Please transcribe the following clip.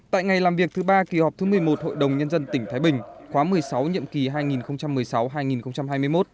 tại ngày làm việc thứ ba kỳ họp thứ một mươi một hội đồng nhân dân tỉnh thái bình khóa một mươi sáu nhiệm kỳ hai nghìn một mươi sáu hai nghìn hai mươi một